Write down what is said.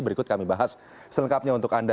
berikut kami bahas selengkapnya untuk anda